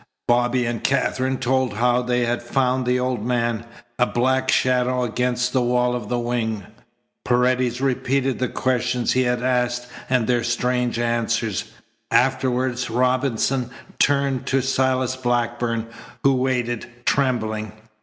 Bobby and Katherine told how they had found the old man, a black shadow against the wall of the wing. Paredes repeated the questions he had asked and their strange answers. Afterward Robinson turned to Silas Blackburn, who waited, trembling.